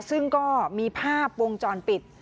ซึ่งก็มีภาพวงจรปิด